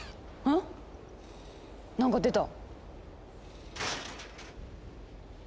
何か出た。